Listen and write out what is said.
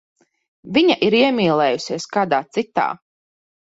Viņa ir iemīlējusies kādā citā.